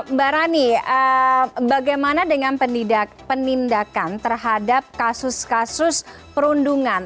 mbak rani bagaimana dengan penindakan terhadap kasus kasus perundungan